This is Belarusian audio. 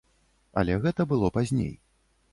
Але гэта было пазней.